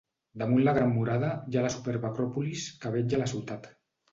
Damunt la gran murada hi ha la superba acròpolis que vetlla la ciutat.